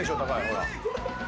ほら」